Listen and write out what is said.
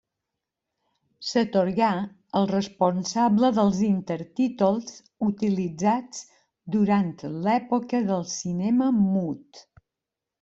S'atorgà al responsable dels intertítols utilitzats durant l'època del cinema mut.